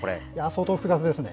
相当複雑ですね。